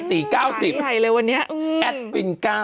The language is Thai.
ไหลไหลเลยวันนี้